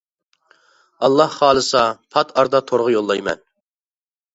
ئاللا خالىسا پات ئاردا تورغا يوللايمەن.